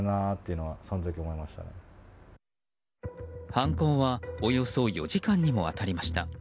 犯行はおよそ４時間にもわたりました。